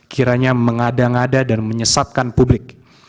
kiranya mengada ngada dan menyesatkan publik